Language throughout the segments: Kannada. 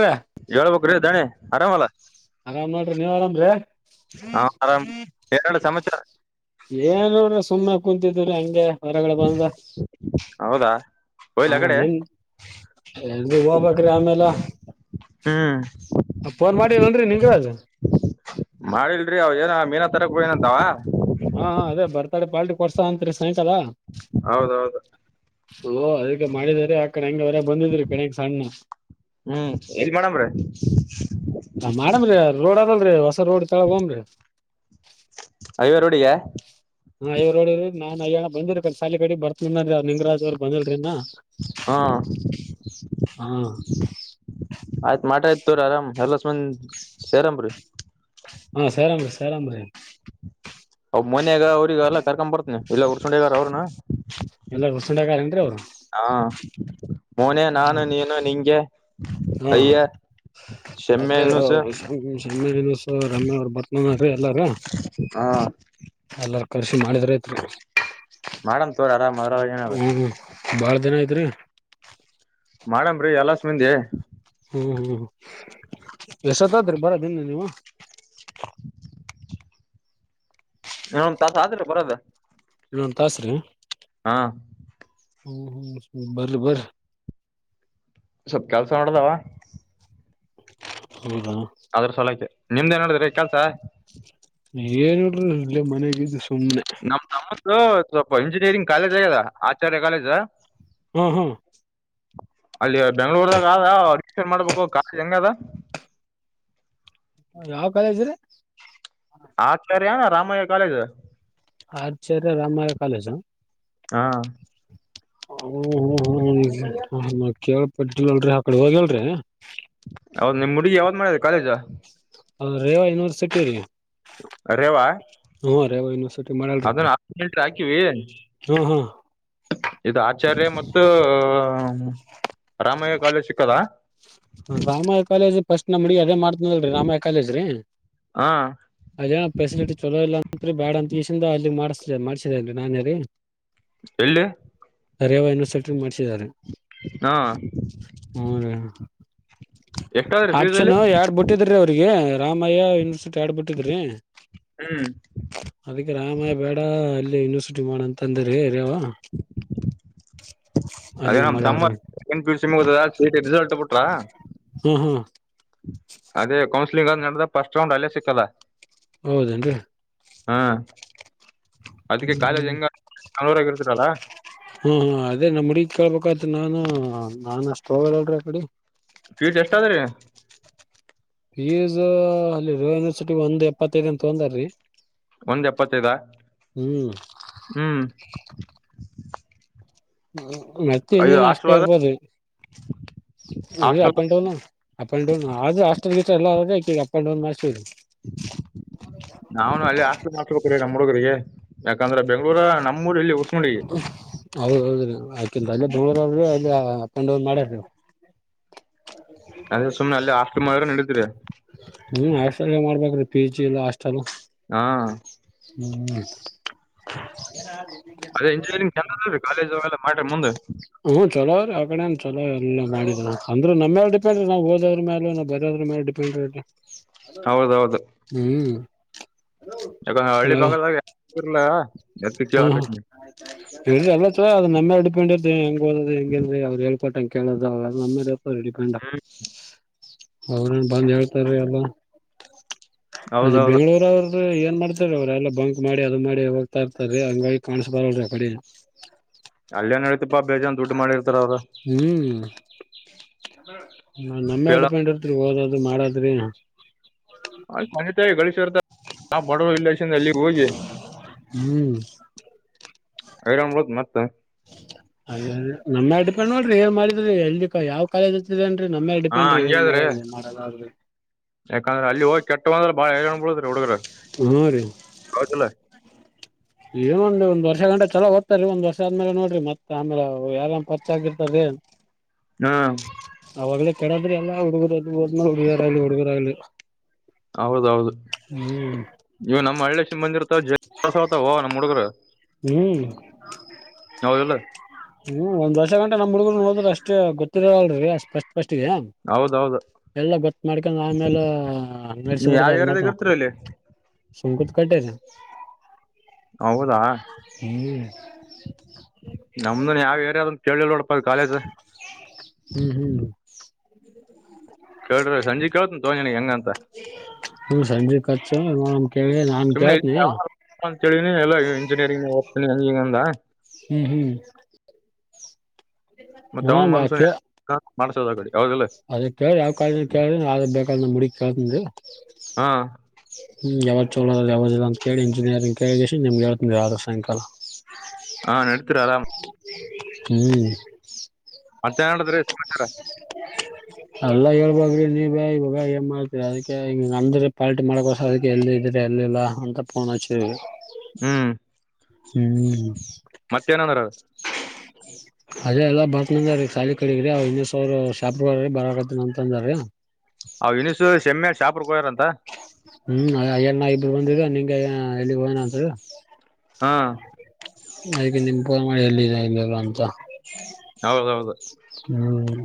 ರಿ ಹೇಳ್ಬೇಕಕ್ ದಣೆ ಆರಾಮಲ್ಲಾ ಆರಾಮ್ ನೋಡ್ರಿ ನೀವ್ ಆರಾಮ್ರಿ ಹಾ ಆರಾಮ್ ಎರಡು ಸಮಾಚಾರ ಏನಡ್ರಿ ಸುಮ್ಮನೆ ಕುೂಂತಿದ್ರೀ ಹಂಗೆ ಹೊರಗ ಬಂದ ಹೌದಾ ಹಯ್ಲ ಕಡೆ ಎಲ್ಲಿಗ್ ಹೋಗ್ಬೇಕ್ರಿ ಆಮೇಲೆ ಹ್ಮ್ ಪೋನ್ ಮಾಡಿಲ್ಲ ನೋನ್ರಿ ನಿನ್ಗ ಅ. ಮಾಡಿಲ್ರಿ ಅವ ಏನ ಮೀನಾ ತರಕ್ ಹೋಗ್ಯಾನಂತವಾ ಹಾ ಅದೇ ಬರ್ತಾಡೆ ಪಾರ್ಟಿ ಕೊರ್ಸಾ ಅಂತ್ರಿ ಸಾಯಂಕಾಲ ಹೌದೌದು ಓ ಅದಕ್ಕೆ ಮಾಡಿದಿದ್ದಾರೆ ಆ ಕಣಂಗಗೆ ಅವರ ಬಂದಿದ್ರಿ ಕಣಂಗ ಸಣ್ಣ ಹ್ಮ್ ಎಲ್ಲಿ ಮಾಡಮ್ರ ಹ ಮಾಡಮ್ರರಿ ರೋಡ್ ಅದಲ್ರೀ ಹೊಸ ರೋಡ್ ತಳಗ್ ಹೈವೇ ರೋಡ್ ಗೆ ಹಾ ಇವ್ ನೋಡಿ್ರರಿ ನಾನ್ ಅಯ್ಯ ಬಂದಿರಿ ಕ ಸಾಲ ಕಡೆಡಿ ಬರ್ತನಿನ್ ಅವ ನಿಂಗರಾಜ ಬಂದಿಲ್ರರಿನ ಹಾ ಆಯ್ತ್ ಮಾಟ ಆಯ್ತ ತುರ ಆರಾಮ್ ಎಲ್ಲಸ್ಮನ್ ಶೇರಾಮ್ರೀ ಹಾ ಸ್ಯರಾಮ್ರೀ ಸ್ಯರಾಮ್ರೀ ಅವ್ ಮನ್ಗ ಅವ್ರಗ ಎಲ್ಲ ಕರ್ಕೊ ಬರ್ತನಿ ಇಲ್ಲ ಉರ್ಸೊಂಡ್ಗಾರ ಅವ್ರನು ಎಲ್ಲ ವಸಗಾರೇನ್ರಿ ಅವರು ಹಾ ಮೊನ ನಾನು ನೀನು ನಿಂಗೆ ಹಾ ಅಯ್ಯ ಸಮ್ಮೆ ಇಸು ರಮ್ಮಅವರು ಬತ್ಮನ್ರೀ ಎಲ್ಲಾರ ಹಾ ಎಲ್ಲರ ಕೃಷಿ ಮಾಡಿದ್ರ ಐತ್ ಮಾಡಣ್ ತೋರ್ ಆರಮ್ ಅದ್ರ ಏನ ಹ್ಮ್ ಬಾಳ ದಿನ ಐತ್ರಿ ಮಾಡನ್ ಎಲ್ಲ ಸ್ಮಂದಿ ಹ್ಮ್ ಹ್ಮ್ ಎಷ್ಟತ್ತತ್ರಿ ಬರದನ್ನ ನೀವು ಇಏದ್ ತಾಸ ಆದ್ರೆ ಬರೋ ಇನ್ನೊಂದು ತಾಸ್ರ ಹಾ ಹ್ಮ್ ಹ್ಮ್ ಬರಬರ್ ಸವಪ್ ಕೆಲಸ ನೋಡದಾವ ಹೌದಾ ಅದ್ರ ಸಲಕೆ ನಿಮ್ದ್ ನ್ ಮಾಡಡಿದ್ರಿ ಕೆಲ್ಸ ಏನ್ ಇಲ್ಲಿ ಮನೆಗಿದ್ದ ಸುಮ್ಮ್ನೆ ನಮ್ ನಮ್ಮತ್ ಸ್ವಲ್ಪ ಇಂಜಿನಿಯರಿಂಗ್ ಕಾಲೇಜ್ ಆಗ್ಯದ ಆಚಾರ್ಯ ಕಾಲೇಜ ಹ್ಮ್ ಹ್ಮ್ ಅಲ್ಲಿ ಬೆಂಗಳೂರ ಅವ್ರ ಅಡ್ಮಿಷನ್ ಮಾಡ್ಬೇಕು ಕಾಲೇಜ್ ಹೆಂಗ ಅದ. ಯಾವ ಕಾಲೇಜ್ರೀ. ಆಚಾರ್ಯ ರಾಮಯ್ಯ ಕಾಲೇಜು. ಆಚಾರ್ಯ ರಾಮಯ್ಯ ಕಾಲೇಜ. ಹಾ ಹ ಹ ಹ್ಮ ಕೇಳ್ಪಟ್ಟ ಅಲ್ರಿ ಆ ಕಡೆ ಹೋಗಲ್ರಿ. ಹೌದ ನಿಮ್ಹುಡುಗಿ ಯಾವ್ದ್ ಮಾಡಿದೆ ಕಾಲೇಜ. ಹ ರೇವಾ ಯನಿವರ್ಸಿಟಿ ರೀ. ಕರೆವ. ಹು ರೇವಾ ಯೂನಿವರ್ಸಿಟಿ. ಮಾಡಲ್ರಿ ಅದನ್ನು [unintelligible] ಹಾಕಿವಿ. ಹಾ ಹಾ ಇದು ಆಚಾರ್ಯ ಮತ್ತು ರಾಮಯ್ಯ ಕಾಲೇಜ್ ಸಿಕ್ಕದ. ರಾಮಾಯ ಕಾಲೇಜ್ ಫಸ್ಟ್ ನಮ್ಹುಡ್ಗಿ ಅದೇ ಮಾಡ್ತನಲ್ರಿ ರಾಮಾಯ ಕಾಲೇಜ್ರೀ. ಹಾ ಅದೇನೋ ಫೆಸಿಲಿಟಿ ಚಲೋ ಇಲ್ಲ ಅತ್ರಿ ಬ್ಯಾಡ ಅಂತಕೆಸಿಂದ ಅಲ್ಲಿಗ್ ಮಾಡ್ಸ ಮಾಡ್ಸೇನ್ರಿ ನಾನೆ ರಿ. ಎಲ್ಲಿ. ರೇವ ಯೂನಿವರ್ಸಿಟಿ ಮಾಡಸಿದ್ದಾರೆ. ಹಾ ಹು ರಿ. ಎಷ್ಟಾದ್ರಿ ಫೀಸ್ ಅಲ್ಲಿ ಆಪ್ಷನು ಯಡ್ ಬಿಟ್ಟಿದ್ರಿ ಅವ್ರಿಗೆ ರಾಮಯ್ಯ ಯೂನಿವರ್ಸಿಟಿ ಆಡ್ಬಬಿಟ್ಟಿದ್ರಿ. ಹ್ಮ್ ಅದಕ್ಕೆ ರಾಮಯ ಬೇಡ ಅಲ್ಲಿ ಯೂನಿವರ್ಸಿಟಿ ಮಾಡಂತ ಅಂದ್ರೀ ರೇವಾ. ಅದೇ ನಮ್ಮ ತಮ್ಮ ಮಾಡ್ಯಾಳ್ರಿ ಸೆಕೆಂಡ್ ಪಿಯುಸಿ ಮುಗ್ದದ ಸಿಇಟಿ ರಿಸಲ್ಟ್ ಬಿಟ್ರಾ. ಹ್ಮ್ ಹ್ಮ್ ಅದೇ ಕೌನ್ಸಲಿಂಗ ಅ ನಡದ ಫಸ್ಟ್ ರೌಂಡ್ ಅಲ್ಲೇ ಸಿಕ್ಕದ. ಹೌದೇನ್ ರೀ. ಹಾ ಅದಕ್ಕೆ ಹ್ಮ್ ಕಾಲೇಜ್ ಹೆಂಗ [unintelligible] ಇರ್ತರಲ್ಲ. ಹ್ಮ ಹಾ ಅದೇ ನಮ್ಮಡಿಗ್ ಕೇಳ್ಬೇಕಾಯ್ತು ನಾನು ನಾನ್ ಅಷ್ಟ ಹೋಗಲ್ಅಲ್ರೀ ಅಕಡಿ. ಫೀಸ್ ಎಷ್ಟಾದ್ರಿ. ಫೀಸು ರೇವಾ ಯೂನಿವರ್ಸಿಟಿ ಒಂದ್ ಎಪ್ಪತ್ತೈದೇನೋ ತಗೊಂಡರಿ. ಒಂದ್ ಎಪ್ಪತ್ತೈದ ಹ್ಮ್ ಹ್ಮ್. ಮತ್ತೆ ಇದು ಇಲ್ಲಿನು ಅಷ್ಟೇ ಹಾಸ್ಟೆಲ್ ಅದ ಇರ್ಬೋದ್ರಿ. ಎ hostel up and down, up and down ಆದ್ರು ಹಾಸ್ಟೆಲ್ ಗಿಸ್ಟಲ್ ಎಲ್ಲ ಆದ ಇಕಿಗ್ ಅಪ್ ಅಂಡ್ ಡೌನ್ ಮಾಡ್ಸಿವ್ರಿ. [inaudible] ನಾವುನು ಅಲ್ಲೆ ಹಾಸ್ಟೆಲ್ ಮಾಡಸ್ಬೇಕ್ರಿ ನಮ್ಮ ಹುಡ್ಗುರಿಗೆ ಯಾಕಂದ್ರೆ ಬೆಂಗಳೂರ ನಮ್ಮ ಊರ ಇಲ್ಲಿ ಉಸ್ಮಡಿ ಹೌದೌದ್ರಿ ಆಕಿಂದ ಅಲ್ಲೇ ದೂರವ್ರಿ ಅಲ್ಲೇ ಅಪ್ ಅಂಡ್ ಡೌನ್ ಮಾಡ್ಯಾರಿ ಅವ್ರ. ಅದೇ ಸುಮ್ನೆ ಅಲ್ಲೇ ಹಾಸ್ಟಲ್ ಮಾಡಿದ್ರ್ ನಡಿತದ್ರಿ. ಹ್ಮ ಹಾಸ್ಟೆಲ್ನೇ ಮಾಡ್ಬೇಕ್ರಿ ಪಿಜಿ ಇಲ್ಲ ಹಾಸ್ಟಲ. ಹಾ ಹ್ಮ್ ಅದೇ ಇಂಜಿನಿಯರಿಂಗ್ ಚಂದದ ರೀ ಕಾಲೇಜ್ ಅವೆಲ್ಲ ಮಾಡ್ರಿ ಮುಂದ. ಹ್ಮ್ ಚಲೋ ಆದ ಆಕಡೆಣ್ ಚಲೋ. [unintelligible] ಅಂದ್ರೆ ನಮ್ಮ್ಯಾಲ್ ಡಿಪೆಂಡ್, ನಾವ್ ಓದದ್ರ್ ಮ್ಯಾಲ್ ನಾವ್ ಬರಿಯೋದ್ರ್ ಮೇಲ್ ಡಿಪೆಂಡ್ ಇರುತ್ತೆ. ಹೌದೌದು ಹ್ಮ್ ಜರಾ ಕ್ಲಾ ಹಳ್ಳಿಬಾಗದಾಗ [unintelligible] ಅದ್ಕೆ ಕೇಳಕತ್ನಿ. [unintelligible] ಅದು ನಮ್ಯಾಲ ಡಿಪೆಂಡ್ ಹೆಂಗ್ ಓದೋದು ಹೆಂಗೆ ಅವ್ರ ಹೇಳ್ ಕೊಟ್ಟಂಗೆ ಕೇಳೋದು ಅವೆಲ್ಲ ನಮ್ ಮೇಲೆ ಇರುತ್ತೆ ಡಿಪೆಂಡ್. ಹ್ಮ್ ಅವ್ರೇನ್ ಬಂದ ಹೇಳ್ತಾರಿ ಎಲ್ಲ ಅಲ್ಲಿ ಹೌದೌದು ಬೆಂಗ್ಳೂರವ್ರ್. ಏನ್ ಮಾಡ್ತಾರ ಅವ್ರ್ ಎಲ್ಲ ಬಂಕ್ ಮಾಡಿ ಅದು ಮಾಡಿ ಹೋಗ್ತ ಇರ್ತರಿ ಹಂಗಾಗಿ ಕಾಣಸ್ಬಾರ್ದರಿ ಯಕಡಿ. ಅಲ್ಲೇನೈಯ್ತೀಪ ಬೇಜಾನ್ ದುಡ್ಡ್ ಮಾಡಿರ್ತಾರ್ ಅವ್ರ್. ಹ್ಮ್ ನಮ್ಮೇ ಕೇಳ ಡಿಪೆಂಡ್ ಇರ್ತರಿ ಓದದು ಮಾಡದ್ರಿ. [unintelligible] ಗಳೇಶ್ವರ್ ಬಡ್ವ್ರು ಇಲ್ಲಕ್ಷನ್ ಎಲ್ಲಿಗೆ ಹೋಗಿ ಹ್ಮ್ [unintelligible] ಹೋದು ಮತ್ತೆ ಅದ ನಮ್ಮೇಲ್ ಡಿಪೆಂಡ್ ನೋಡ್ರಿ ಏನ್ ಮಾಡಿದ್ರು ಎಲ್ಲಿ ಕ ಯಾವ್. ಕಾಲೇಜ್ ಹಚ್ಛಿರೇನ್ರಿ ನಮ್ಮ್ಯಾಲ್ ಡಿಪೆಂಡ್ರಿ ಏನ್ ಮಾಡದು ಮಾಡಲಾಗದು. ಯಾಕಂದ್ರ ಅಲ್ಲಿ ಹೋಗಿ ಕೆಟ್ಟುವಂದ್ರ ಬಾಳ್ ಐರನ್ ಬಿಳುತ ಹುಡ್ಗೂರು ಹ್ಮ್ ರೀ ಹೌದಿಲ್ಲೊ. ಏನ್ ಒಂದ್ ಒಂದ್ ವರ್ಷಗಂಟ ಚಲೋ ಓದ್ತಾರಿ, ಒಂದ್ ವರ್ಷ ಆದ್ಮೇಲೆ ನೋಡ್ರಿ ಮತ್ತ್ ಆಮೇಲ್ ಯಾವ್ದನ ಪರ್ಚಯ ಆಗಿರ್ತಾರಿ. ಹ್ಮ ಅವಾಗಲೇ ಕೆಡದ್ರೆ ಎಲ್ಲ ಹುಡ್ಗುರು [unintelligible] ಹುಡುಗ್ರಾಲಿ ಹುಡಿರಾಗ್ಲಿ. ಹೌದೌದು ಇವಾಗ್ ನಮ್ಮ್ ಹಳ್ಳಿ ಸಿಮ ಬಂದಿರ್ತಾವ [unintelligible] ನಮ್ಮ್ ಹುಡುಗ್ರು. ಹ್ಮ್ ಹೌದಲ್ಲೊ. ಹ್ಮ್ ಒಂದ್ ವರ್ಷ ಗಂಟ ನಮ್ ಹುಗ್ಗರು ನೋಡದ್ರ ಅಷ್ಟ ಗೊತ್ತಿರಲ್ರರಿ ಫಸ್ಟ್ ಫಸ್ಟ್. ಗೆ ಹೌದೌದು. ಎಲ್ಲ ಗೊತ್ ಮಾಡ್ಕೊಂಡ್ ಆಮೇಲೆ ಅಲ್ನೆಲ್ಸಿ ನೀವ್ ಯಾವ ಬಿಡ್ತಾರೆ ಏರಿಯಾದಾಗ ಮತ್ರ. ಇರ್ತೀರಿ ಅಲ್ಲಿ ಸುಂಕುದ್ ಕಟ್ಟೆನ ಹೌದಾ ಹ್ಮ್ ನಮ್ದು ಯಾವ್ ಏರಿಯಾದಲ್ ಕೇಳಿ ನೋಡಪ್ಪ ಅ ಕಾಲೇಜು. ಹ್ಮ್ ಹ್ಮ್ ಕೇಳಿರಿ ಸಂಜೆ ಕೇಳ್ತನ ತಗೊಂನಿ ಹೆಂಗಂತ. ಹ್ಮ ಸಂಜಿ [unintelligible] ಸುಮ್ಮನೆ [unintelligible] ಹೇಳಿದ್ರೆ ಎಲ್ಲ ಇಂಜಿನಿಯರಿಂಗ್ ಓದ್ತಾ ಹಂಗ್ ಹಿಂಗಂದ. ಹ್ಮ್ ಹ್ಮ್ ಮತ್ತ್ ಅವ್ನ ನೋಡಮ್ ಮನ್ಸು ಕೇ [unintelligible] ಮಾಡಸೋದ [unintelligible] ಅವದಲ್ಲ. ಅದ ಕೇಳ್ರಿ ಯಾವ್ ಕಾಲ ಕೇಳ್ರ ಯ ಬೇಕ ಮುಡಿ [unintelligible] ಹಾ. ಹ್ಮ್ ಯಾವ್ದ್ ಚಲೋದ ಯಾವ್ದ್ ಇಲ್ಲ ಅಂತೇಳಿ ಇಂಜಿನಿಯರಿಂಗ್ ಕೇಳ ನಿಮ್ಗೆ ಹೇಳ್ತಿ ಆದ ಸಾಯಂಕಾಲ.. ಹಾಂ ನಡ್ತರಾಮ. ಹ್ಮ್ ಮತ್ತೆನೇಳ್ದ್ರೀ ಸಮಾಚಾರ. ಅಲ್ಲಾ ಹೇಳ್ಬೇಕ್ರಿ ನೀವೆ ಇವಾಗ ಏನ್ ಮಾಡ್ತೀರಿ ಅದಕ್ಕೆ ಅಂದ್ರೆ ಪಾಲ್ಟಿ ಮಾಡಕಸ್ ಅದ್ಕೆ ಎಲ್ಲ ಇದೀರ ಎಲ್ಲಿಲ್ಲಾ ಅಂತ ಪೋನ್ಚವಿ. ಹ್ಮ್ ಹ್ಮ್ ಮತ್ತೆೇನಂದ್ರು. ಅದೇ ಎಲ್ಲಾ ಬರ್ತನ ಅಂದಾರೀ ಖಾಲಿ ಕಡಗ್ರಿ ಅವ ಇನ್ನ್ ಸಾವ್ರ್ ಶಾಪ್ ಬರತ್ತನ ಅಂತಂದಾರೀ. ಅವ್ [unintelligible] ಶೆಮ್ಮೆ ಶಾಂಪುರ್ಕ್ ಹೋಗಾರಂತ. ಹ್ಮ್ ಆಯಣ್ಣ ಇಬ್ಬರು ಬಂದರು ನಿಂಗೆ ಎಲ್ಲಿ ಹೋಗ್ಯಾನ ಅಂದ್ರು. ಹಾ ಅಗ ನಿಮ್ ಫೋನ್ ಮಾಡಿ ಎಲ್ಲಿದೆ ಇಲ್ಲಲ್ಲ ಅಂತ. ಹೌದೌದು ಹ್ಮ್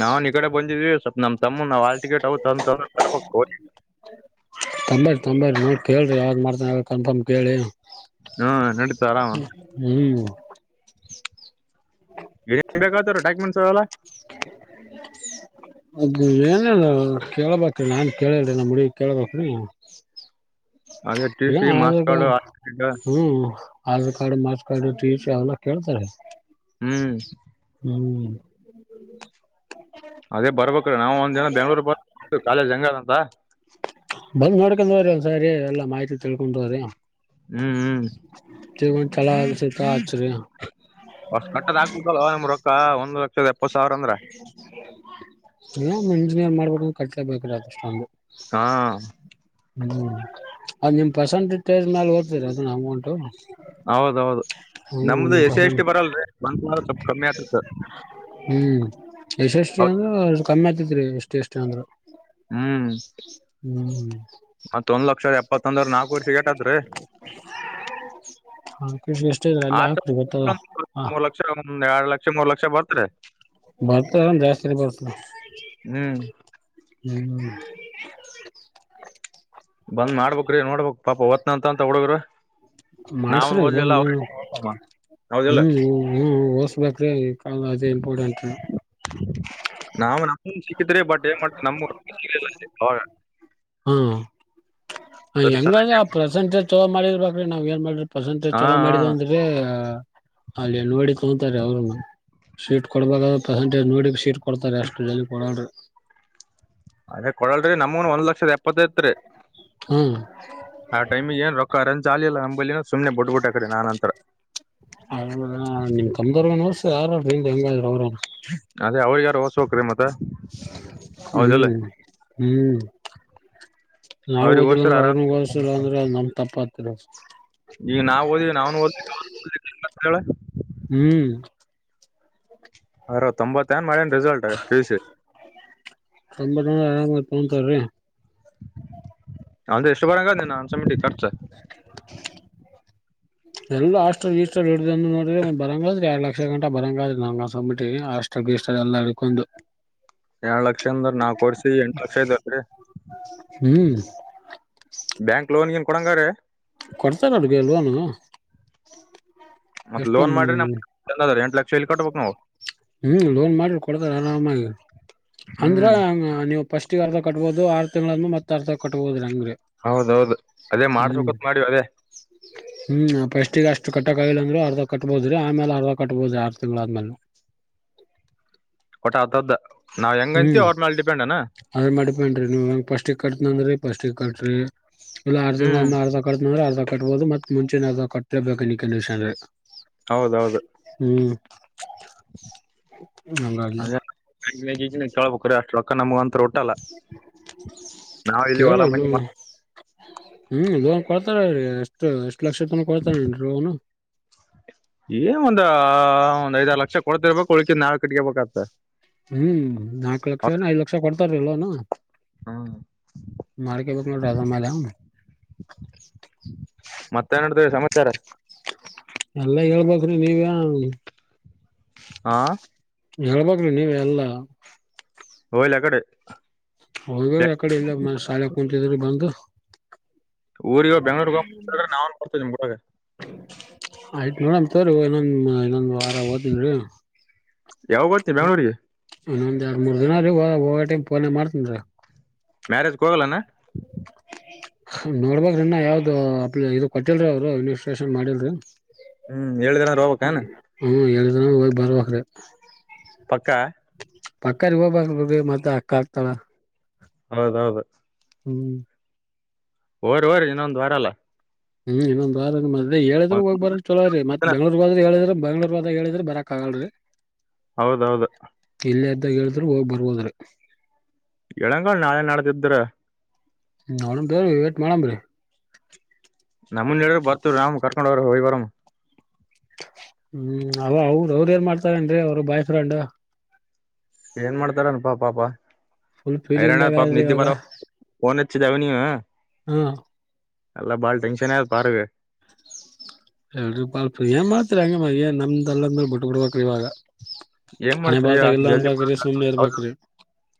ನಾವವು ನಿ ಈ ಕಡೆ ಬಂದಿದ್ವಿವ ನಮ್ಮ ತಮ್ಮ ನಾ ಆಾ ಟಿಕೆಟ್ ತಂದ ತ ತರ್ ತಂಬರಿ ತಂಬರಿ ನ ಕೇಳ್ರಿ ಯಾವ್ದ್ ಮಾಡ್ತ ಕನ್ಫರ್ಮ್ ಕೇಳಿ ಹ್ಮ್ ನಡೀತು ಆರಾಮ ಹ್ಮ್ ಎನ್ ಬೇಕಾವದ ಡಾಕ್ಯುೆಂಟ್ಸ್ ಅವಲ್ಲ ಅದು ಏನಲ್ಲ ಕೇೇಳಬೇಕ ನಾನ್ು. ಕೇಳಿಲ್ರಿ ನಮ್ಮ್ ಮುಡಡಿಗ್ ಕೇಳಳ್ಬೇಕ್ರಿ ಅದೇ ಟಿ ಸಿ ಮಾಸ್ ಆಧಾರ್ ಕಾಡು ಕಾರ್ಡ್ ಆ ಹ್ಮ್ Aadhaar card ಮಾಚ್ card T C ಅವಲ್ಲ ಕೇಳ್ತಾರೆ ಹ್ಮ್ ಹ್ಮ್ ಅದೇ ಬರ್ಬೇಕ್ರ ನಾವು ಒಂದ್ ಜನ ಬೆಂಗ್ಳೂರು ಬ ಕಾಲಜ್ ಜಂಗಾರ ಅಂತ ಬಂದ್ ನೋಡ್ಕೊಂಡವ್ರಿ ಒಂದಸರಿಾರಿ ಎಲ್ಲಾ ಮಾಹಿತಿ ತಿಳ್ಕೊಂಡುವ್ರಿ ಹ್ಮ್ ಹ್ಮ್ ಜೇವ ಚಲ ಸ ಆ್ರ ಹೊಸ್ ಕಟ್ಟದ್ ಹಾಕ್ಬಿಟ್ಟಲ್ವಾ ನಿಮ್ ರೊಕ್ಕ ಒಂದ್ ಲಕ್ಷದ ಎಪ್ಪತ್ ಸಾವಿರ ಅಂದ್ರ ನ ಮಂಜಿನೇರ್ ಮಾಡ್ಬೇಕ ಕಟ್ಲೇಬೇಕ್ರ ಅಷ್ಟೊಂದು ಹಾ ಹ್ಮ್ ಅದ್ ನಿಮ್ ಪರ್ಸೆಂಟೇಜ್ ತೇರ್ ಮ್ಯಾಲ ಓ್ತೀರ ಅದನ್ನ ಅಮೌಂಟು ಹೌದೌದು ಹ್ಮ್ ನಮ್ದು ನಿಮ್ ಎಸೆ ಎಷ್ಟಿ ಪರ್ಸೆಂಟ್ ಬರಲ್ರಿ ಬಂ ಸ್ವಲ್ಪ ಕಮ್ಮಿ ಆಗ್ತಿತ ಹ್ಮ್ ಎಷ್ಟ ಎಷ್ಟ ಅಂದ್ರೂಷ್ಟ ಕಮ್ಮಿ ಆತತ್ರಿ ಎಷ್ಟು ಎಷ್ಟು ಅಂದ್ರರು ಹ್ಮ್ ಮತ್ತೊಂದ ವರ್ಷ ಎಪ್ಪತ್ತೊಂದ್ರ ನಾಲ್ಕು ವರ್ಷ ಟತ್ೀ ಹ ಕಷ ಎಷ್ಟ ಇದ್ರ ಎಲ್ಲ ಹಾಕ್ರರಿ ಗೊತ್ತ ಮೂರ್ ಲಕ್ಷ ಒಂದ್ ಎರಡು ಲಕ್ಷ ಮೂರ್ ಲಕ್ಷ ಬರ್ತಾರೆ ಬರ್ತ ಜಾಸ್ತಿ ಬರ್ತ ಹ್ಮ್ ಹ್ಮ್ ಬಂದ್ ಮಾಡ್ಬೇಕಕ್್ರೀ ನೋಡ್ಬೇಕಕ್ ಪಾಪ ಓಡ್ತಾನ್ ಅಂತ ಅಂತ ಹುಡುಗ್ರ ಮಾಡ್ಸ್ರ ಬಂದ್ ಮಾಡ ಹೌದಿಲ್ಲ ಹ್ಮ್ ಹ್ಮ್ ಓಡಿಸಬೇಕು ಅ ಕಾಲ ಅೇ ಇಂಪಾರ್ಟಂಟ್ು ನಾವು ನಮ ಸಿಕ್ಕಿದ್ರಿ ಬಟ್ ಏನ್ ಮಾಡ್ತ ನಮ ಹ್ಮ ಅದ್ರ ಸಲುವಾಗಿ ಹೆಂಗಾದ್ರ ಆ ಪ್ರೆಸೆಂಟೇಜ್ ತೊಗೋ ಮಾಡಿರ್ಬೇಕ್ರಿ ನಾವ್ ಏನ್ ಮಾಡ ಪಸಟೇಜ್ ಹಾ ಚಲೋ ಹಾ ಮಾಡಿದ ಅಂದ್ರೆ ಅಲ್ಲಿ ಎನ್ವಾಡಿ ತೊಗಂತಾರೆ ಅವ್ರನು ಶೀಟ್ ಕೊಡ್ಬೇಕಾದ್ರ ಪೆಸೆಂಟೇಜ್ ನೋಡಿ ಶೀಟ್ ಕೊಡ್ತಾರೆ ಅಷ್ಟು ಜನ ಕೊಡ್ರ ಅದೇ ಕೊಡಲ್ರಿ ನಮೂನ್ ಒಂದ ಲಕ್ಷದ ಎಪ್ಪತ್ತೈತ್ರಿ ಹ್ಮ್ ಆಾ ಟೈಮಿ್ ಏನ್ ರೊಕ್ಕ ರಂಜ ಚಾಲಿಲ್ಲಲ್ಲ ಅಂಬಲಿನ ಸುಮನೆ ಬಿಟ್ಡ್ಬಿಟ್ಟ ಆ ಕಡೆ ನಾನನ್ಂತರ ಹ ನಿಮ್ ಕಮ್ದರ್ನಸ ಯಾರಾದಿಂದ ಹೆಂಗಾದ್ರ ಅವ್ರಾರ ಅದೇ ಅವ್ರಿಗೆ ಯಾರು ಹೊಓಸ ಹ್ರೀ ಮತ್ತ ಹೌದಿಲ್ಲ ಹ್ಮ್ ಹ್ಮ್ ನಾವ್ ಅವ್ರಿಗೆ ಓದಿಲ್ಲ ಓದ್ಸಿರ ಅಂದ್ರೆ ಆರಾಮ್ ಅವ್ರಗ್ ಓದ್ಸಿಲ್ಲ ಅಂದ್ರೆ ನಮ್ ತಪ್ಪ ಆತಿಿಲ್ಲ ಈಗ ನಾವ್ ಓದ್ವಿ ನಾವ್ನು ಓದ ಹೇಳ [unintelligible] ಹ್ಮ್ ಅರ ತೊಂಬತ್ತ ಏನ್ ಮಾಡನ್ ರಿಸಲ್ಟ್ ಪಿಯುಸಿ. ತಂಬತ್ನೂರ ಅರಾಮ್ ತಗೊತಾರ್ರೀ. ನಂದ್ರೆ ಎಷ್ಟು ಬರಂಗದ ಅನ್ಸಿ ಮಟ್ ಖರ್ಚ. ಎಲ್ಲ ಹಾಸ್ಟೆಲ್ಸ್ಲ್ ಗಿಸ್ಟಲ್ ಹಿಡಿದ ನೋ ಬರಂಗಾದ್ರ ಎರಡ ಲಕ್ಷ ಗಂಟ ಬರಂಗಾದ ನನ್ನ ಅನ್ನಸಾಮಾಟ್ಟಿಗಿ ಲಾಸ್ಟ. ಷ್ಟ ಇಷ್ಟ ಎಲ್ಲದಾಕುಂದು. ಎರಡು ಲಕ್ಷ ಅಂದ್ರ ನಾ ಕೊಡ್ಸಿ ಎಂಟ ಲಕ್ಷ ಯಲಾ ವುಯಿತರಿ. ಹ್ಮ್ ಬ್ಯಾಂಕ್ ಲೋನ್ ಗಿನ್ ಕೊಡಂಗಾರ. ಕೊಡ್ತೆರಲ್ಲಾ ಬೆ ಲೋನ್. ಮತ್ತ ಲೋನ್ ಮಾಡ್ರಿ ನಮ್ದ ಎಂಟ್ ಲಕ್ಷ ಯಲ್ ಕಟ್ಬಬೇಕು ನಾವು. ಹ್ಮ್ ಲೋನ್ ಮಾಡ್ರಿ ಕೊಡತಾರ ಆರಾಮಾಗಿ ಅಂದ್ರ ಹ್ಮ್ ನೀವು. ಫಸ್ಟಗೆ ಅರ್ಧ ಕಟ್ಬಹದು ಆರು ತಿಂಗಳ ಮತ್ ಅರ್ಧ ಕಟ್ಬೋರಿ ಅಂಗ್ರೀ. ಹೌದೌದು ಅದೇ ಮಾಡ್ಸಬೇಕು ಅಂತಾ ಮಾಡಿವ ಅದೇ. ಹ್ಮ್ ಪಷ್ಟಿಗೆ ಅಷ್ಟು ಕಟ್ಟಕ್ ಆಗಿಲ್ಲ. ಅರ್ಧ ಕಟ್ಬಹದ್ರೀ ಆಮೇಲೆ ಅರ್ಧ ಕಟ್ಬೋದು ಆರು ತಿಂಗಳ ಆದ್ಮೇಲೆ. ಕೊಟ್ಟ ಆತದ್ದ ನಾವ್ ಹೆಂಗಂತೀವಿ ಅವ್ರ ಮೇಲೆ ಡಿಪೆಂಡ್ ನಾ. ಅದ್ರ್ ಮೇಗ ಡಿಪೆಂಡ್ ರೀ ನೀವುಂಗ ಪಸಟ್ಟಗೆ ಕ ಕಟ್ತಂದನ್ರಿ ಪಸ್ಟಿಗೆ ಕಟ್ಟರಿ. ಇಲ್ಲ ಆರ್ ಹ್ಮ್ ತಿಂಗಳ ಅರ್ಧ ಕಟ್ತಂದ್ರೆ ಅರ್ಧ ಕಟ್ಬೋುದು ಮತ್ ಮುಂಚೆ ಅರ್ಧ ಕಟ್ಟೇಬೇಕು ಕಂಡಷನ್. ಹೌದೌ ಹೌದ.. ಹ್ಮ್ ಹಂಗಾಗಿ ಅದೇ ಕೇಳ್ಬೇಕ್ರೀ ಅಷ್ಟ ರಕ್ಕ ನಮ್ಗ ಅಂತು. ಇಲ್ಲಿ ಕರಲ ಹೊಲ ಮನಿ [inaudible] ಹ್ಮ್ ಲೋನ್ ಕೊಡ್ತಾರೀ ಎಷ್ಟು ಎಷ್ಟು ಲಕ್ಷ ತನ ಕೊಡ್ತಾರೀ ಲೋನ್. ಏ ಒಂದ್ ಒಂದ್ ಐದರ ಲಕ್ಷ ಕೊಡ್ತಿರ್ಬೇಕಕ್ ಉಳ್ಕಿ ನಾಲ್ ಕಟ್ಗೆಬಬೇಕ ಆತ ಹ್ಮ್ ನಾಕು ಲಕ್ಷನ ಐದ್ ಲಕ್ಷ ಕೊಡ್ತಾರ ಲೋನ್. ಮಾಡಾರ ಕೆ ಬ ನ ರಾಜಾ ಮಲ [inaudible] ಮತ್ತ ನಡಿದೆ ಸಮಾಚಾರ. ಎಲ್ಲ ಹೇಳ್ಬ್ಕೇರಿ ನೀವ. ಹಾ ಹೇಳಬೇಕ ರೀ ನೀವೆ ಎಲ್ಲಾ. ಹೋಗಲಿ ಅಕಡೆ. ಹೋಗ್ರ ಯಕಡೆ ಇಲ್ಲ ಮ ಶಾಲೆ ಕುಂತಿದ್ರರು ಬಂದು ಊರಿಗ ಬೆಂಗಳೋರ ಹೋಗವಾಗ ನಾವು ಕೂಡ್ತ್ವ ನಿಮ್ಮ ಕುಟಾಗ. ಆಯ್ತು ನೋಡನ ತೊರೀ ಇನ್ನೊಂದ ಇನ್ನೊಂದ ವಾರದಾಗ. ಹಾ ಹೋಗತೆನೆರಿ. ಯಾವಾಗ ಹೋಗ್ತಿ ಬೆಂಗ್ಳೂರಿಗೆ ಇನ್ನೊಂದ ಎರಡು ಮೂರು ದಿನ ಅ ಹೋಗ ಹೋಗಮೇಟ್ ಫೋನ ಗೆ ಮರೆತು ಬಿಡು. ಮ್ಯಾರೇಜ್ಗೆ ಹೋಗೋಲನ್. ನೋಡಬೇಕಿನ್ನರನ್ನ ಯಾವ್ದು ಅಪ್ ಇ ಕೊಟ್ಟಿಲ್ರರಿ ಅವ್ರು ವಿನಿಸ್ಟ್ರೇಷನ್ ಮಾಡಿಲ್ರಿ. ಹ್ಮ್ಹೇಳಿದ್ರನಿ ಏನರ್ ಹೋಗಬೇಕ್ನ್ ಹ್ಮ ಹೇಳಿದರ ಬರಬೇಕು ರಿ. ಪಕ್ಕಾ. ಪಕ್ಕ ರ ಹೋಗಬ ಮತ್ತ ಅಕ್ಕ ಹಾಕ್ತಾಳ. ಹೌದೌ ಹೌದ. ಹ್ಮ್ ಹೋಗು ಹೋಗ್ರಿ ಇನ್ನೊಂದು ವಾರಲ್ಲ ಹ್ಮ್ ಇನ್ನೊಂದ ಬ ಮದೆ ಹೇಳಿದ್ರರು ಹೋಗ್ ಬರಕ್ ಚಲೋ ರೀತ್ತತ್ ಒಂದಿನ ಬೆಂಗಳುರ್ ಬ್ರರು ಹೇಳಿದ್ರ ಬ ಬೆಂಗಳೂರ್ ಬದ ಹೇಳಿದ್ರ ಬರಕ್ ಆಗಲ್ರಿ ಹೌದೌದು ಇಲ್ಲೇ ಅದಾಗ ಹೇಳಿದ್ರರು ಹೋಗಿ ಬರ್ಬೋದ್ರ ಹೇಳ್ ನಾಳೆ ನಾಡಿದ್ರೆ ನಾಡದ್ದು ಇದ್ರೆ ಹ್ಡ ರೀ ವೇಟ್ ಮಾಡ್ ರೀ ನಮ್ಮ ಹೇಳಿದ್ರ ಬರ್ತೀವಿ ಕರ್ಕೊಂಡ್ಗರು ಹೋಗಿ ಬರ್ಮ ಹ್ಮ್ ಅವ ಅವ್ರ ಅವ್ರ ಏನ್ ಮಾಡ್ತಾರೇನ್ ಅವ್ರ ಬಾಯ್ ಫ್ರೆಂಡ್ ಏನ್ ಮಾಡ್ತಾರ ಪಾ ಪಾಪ ಫುಲ್ ಫೀಲಿಂಗ್ ಹೈರಣರಣ್ಣ ದಾಗ ಪಾಪ ಆದ್ರಿ ನಿದ್ದೆ ಇವಾಗ ಬರ ಫೋನ್ ಹಚ್ಚಿದಾಗ ನೀನು ಹ್ಮ್ ಎಲ್ಲ ಬಾಳ್ ಟೆನ್ಶನ್ ಆಗೈತ್ ಅವರಿಗೆ ಎರಡ್ ಪಾಪ್ಪಾ ಏನ್ ಮಾಡ್ತರಿ ಹಂಗೆ ಮಗೆ ನಮ್ದ ಅದ್ಮೇಲೆ ಬಿಟ್ಟ ಬಿಡ್ಬೇಕ್ರಿ ಇವಾಗ ಏನ್ ಹಣೆ ಮಾಡ್ತರಿ ಅಷ್ಟ್ ಬಾರತಾಗಲ್ಲ ಜಲ್ದಿ ಅಂದ ಸುಮ್ನೆ ಇರ್ಬಕ್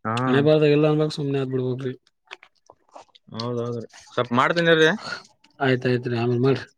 ಹಾ ಹಣೆ ಬರ್ದಾಗಲ್ಲ ಅನ್ಬಕ್ ಸುಮನೆ ಅದಬಿಡ್ಬ್ರಿ ಹೌದೌದುರೀ ಸ್ವಲ್ಪ ಮಾಡ್ತೀನಿರೀ ಆಯ್ತಾಯ್ತ್ ಆಮ್ರ ಮಾಡ್ರರಿ